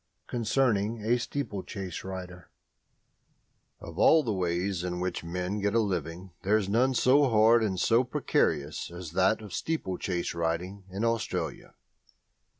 CONCERNING A STEEPLECHASE RIDER Of all the ways in which men get a living there is none so hard and so precarious as that of steeplechase riding in Australia.